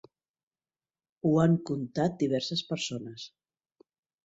Ho han contat diverses persones.